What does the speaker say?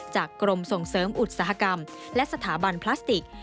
กรมส่งเสริมอุตสาหกรรมและสถาบันพลาสติก